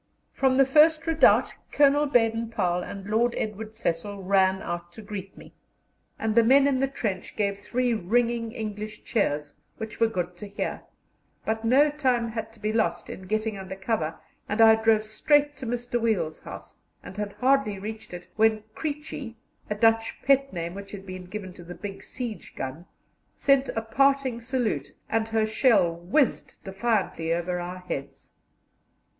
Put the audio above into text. From the first redoubt Colonel Baden Powell and Lord Edward Cecil ran out to greet me, and the men in the trench gave three ringing English cheers, which were good to hear; but no time had to be lost in getting under cover, and I drove straight to Mr. Wiel's house, and had hardly reached it when "Creechy" (a Dutch pet name which had been given to the big siege gun) sent a parting salute, and her shell whizzed defiantly over our heads.